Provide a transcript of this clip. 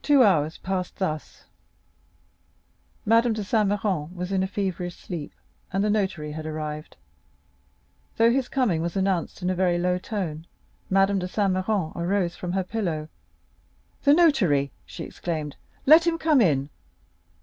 Two hours passed thus; Madame de Saint Méran was in a feverish sleep, and the notary had arrived. Though his coming was announced in a very low tone, Madame de Saint Méran arose from her pillow. "The notary!" she exclaimed, "let him come in."